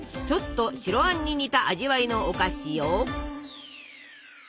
ちょっと白あんに似た味わいのお菓子よ。